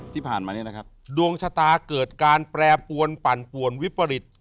ที่ผ่านมาเนี่ยนะครับดวงชะตาเกิดการแปรปวนปั่นป่วนวิปริต